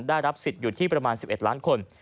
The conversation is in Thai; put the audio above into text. ได้รับสิทธิ์อยู่ที่ประมาณ๑๑ล้านคน